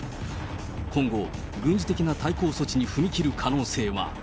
今後、軍事的な対抗措置に踏み切る可能性は。